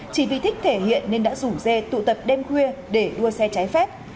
chỉ vì thích thể hiện nên đã rủ dê tụ tập đêm khuya để đua xe trái phép